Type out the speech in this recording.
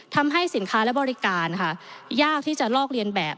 ทำให้สินค้าและบริการค่ะยากที่จะลอกเรียนแบบ